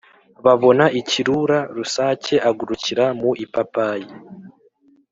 babona ikirura, rusake agurukira mu ipapayi.